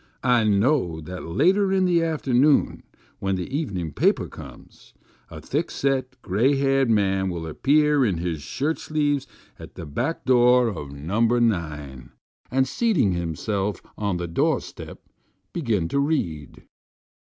I know that later in the afternoon, when the evening paper comes, a thickset, gray haired man will appear in his shirt sleeves at the back door of No. 9, and, seating himself on the door step, begin to read.